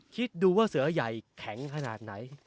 คิดดูว่าเสือใหญ่แข็งขนาดไหน